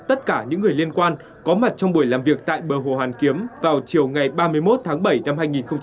tất cả những người liên quan có mặt trong buổi làm việc tại bờ hồ hàn kiếm vào chiều ngày ba mươi một tháng bảy năm hai nghìn hai mươi